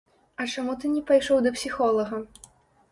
А чаму ты не пайшоў да псіхолага?